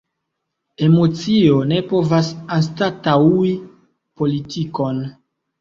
Emocio ne povas anstataŭi politikon.